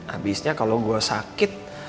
abisnya kalau gue sakit